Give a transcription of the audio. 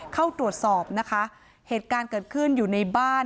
เข้าตรวจสอบนะคะเหตุการณ์เกิดขึ้นอยู่ในบ้าน